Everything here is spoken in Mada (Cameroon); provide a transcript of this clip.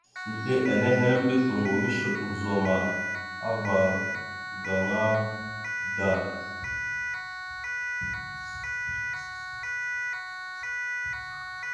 Eɗe nehe ana mbiyez toŋgov mishe ozum ava gaŋa da.